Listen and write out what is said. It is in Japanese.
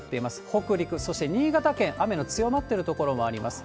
北陸、そして新潟県、雨の強まってる所もあります。